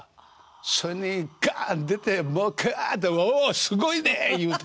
それにがん出てもうかあおおすごいで言うて。